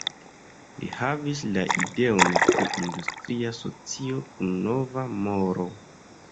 Li havis la ideon pri industria socio kun nova moro.